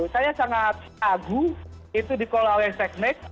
saya sangat agu itu dikelola oleh seknek